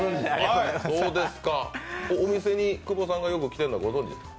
お店に久保さんが来てるのはご存じですか？